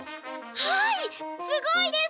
はいすごいです！